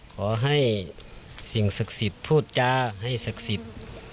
ขอให้สิ่งศักดิ์สิทธิ์พูดจาให้ศักดิ์สิทธิ์